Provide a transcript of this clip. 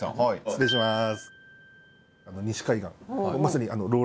失礼します。